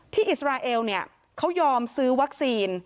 อิสราเอลเนี่ยเขายอมซื้อวัคซีน